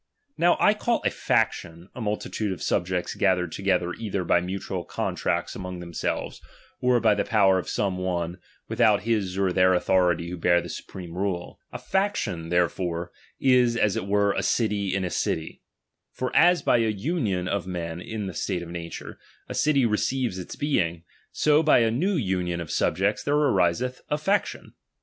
Now I call a /action, a multitude of subjects ga thered together either by mutual contracts among themselves, or by the power of some one, without liis or their authority who bear the supreme rule. 176 DOMINION. [. k faction, therefore, is as it were a city ia a city : for as by aa nuiou of men in the state of nature, a city receives its being, so by a new union of sub jects there ariseth a. faction.